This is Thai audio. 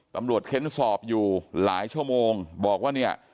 เค้นสอบอยู่หลายชั่วโมงบอกว่าเนี่ย